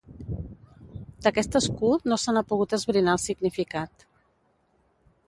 D'aquest escut no se n'ha pogut esbrinar el significat.